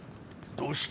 どうした？